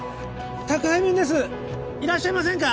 宅配便ですいらっしゃいませんか？